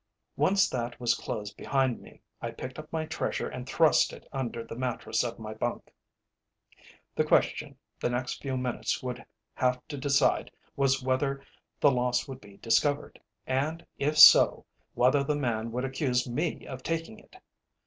Once that was closed behind me, I picked up my treasure and thrust it under the mattress of my bunk. The question the next few minutes would have to decide was whether the loss would be discovered, and if so, whether the man would accuse me of taking it.